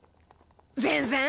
全然。